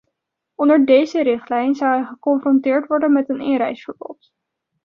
Onder deze richtlijn zou hij geconfronteerd worden met een inreisverbod.